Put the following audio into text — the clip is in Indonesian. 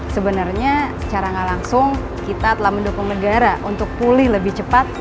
sebenarnya secara gak langsung kita telah mendukung negara untuk pulih lebih cepat